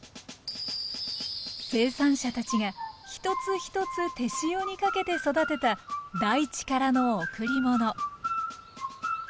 生産者たちが一つ一つ手塩にかけて育てた大地からの贈り物